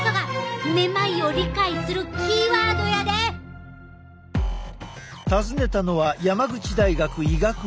訪ねたのは山口大学医学部。